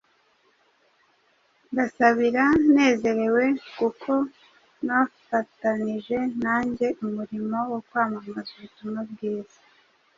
mbasabira nezerewe, kuko mwafatanije nanjye umurimo wo kwamamaza ubutumwa bwiza,